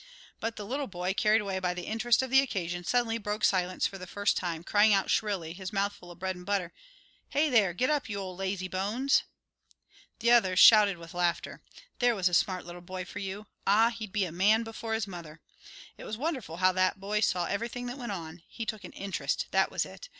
But the little boy, carried away by the interest of the occasion, suddenly broke silence for the first time, crying out shrilly, his mouth full of bread and butter, "Hey there! Get up, you old lazee bones!" The others shouted with laughter. There was a smart little boy for you. Ah, he'd be a man before his mother. It was wonderful how that boy saw everything that went on. He took an interest, that was it.